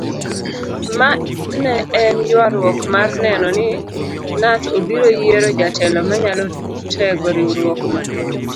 Ma ne en yuaruok mar neno ni knut obiro oyiero jotelo manyalo tego riwruokno.